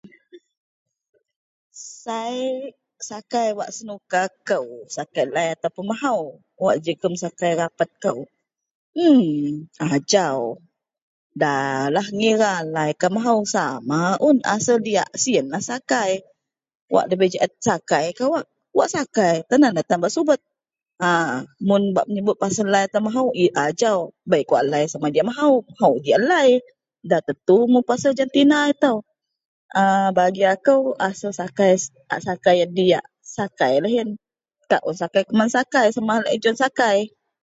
Sai sakai wak senuka kou, sakai lai atau mahou wak jegum sakai rapet kou, ....mmm... Ajau da lah ngira lai kah mahou sama un asel diyak. Siyenlah sakai wak nda bei jaet sakai kawak wak sakai tan an bak subet, ..aaa... Mum bak menyebut pasel lai atau mahou, ajau lai ji a mahou, mahou ji a lai da tentu mun pasel jentina ito. ,Aaa Bagi kou asel sakai iyen diyak sakai lah iyen. Kak un sakai keman sakai sama laei John Sakai.